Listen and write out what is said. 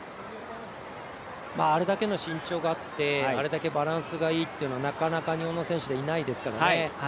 あれだけの身長があってあれだけバランスがいいというのはなかなか日本の選手でいないですからね。